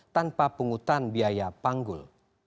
tanpa penghutan biaya panggul